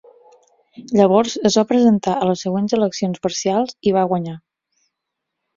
Llavors es va presentar a les següents eleccions parcials i va guanyar.